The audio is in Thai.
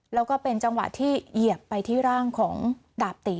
แล้วก็เป็นจังหวะที่เหยียบไปที่ร่างของดาบตี